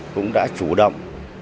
cũng đã chủ động